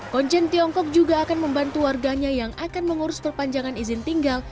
konjen tiongkok juga akan membantu warganya yang akan mengurus perpanjangan izin tinggal